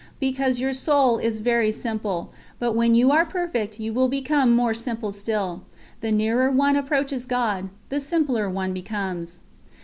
"Because your soul is very simple; but when you are perfect you will become more simple still. The nearer one approaches God, the simpler one becomes."